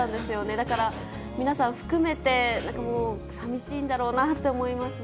だから、皆さん含めてなんかもうさみしいんだろうなと思いますね。